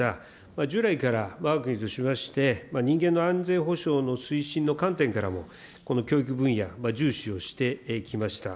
従来からわが国としまして、人間の安全保障の推進の観点からも、この教育分野、重視をしてきました。